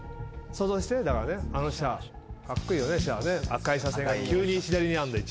赤い車線が急に左にあるんだよ。